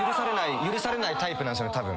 許されないタイプなんすよ。